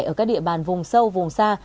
ở các địa bàn vùng sâu vùng xa